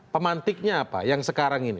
pemantiknya apa yang sekarang ini